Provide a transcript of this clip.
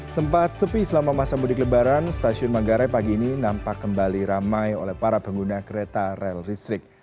sempat sepi selama masa mudik lebaran stasiun manggarai pagi ini nampak kembali ramai oleh para pengguna kereta rel listrik